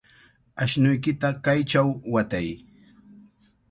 Ashnuykita kaychaw watay.